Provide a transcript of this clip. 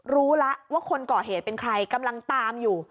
รู้แล้วว่าคนก่อเหตุเป็นใครกำลังตามอยู่